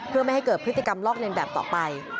เพื่อไม่ให้เกิดพฤติกรรมลอกเลียนแบบต่อไป